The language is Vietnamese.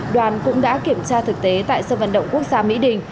đoàn cũng đã kiểm tra thực tế tại sân vận động quốc gia mỹ đình